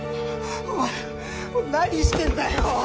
おい何してんだよ！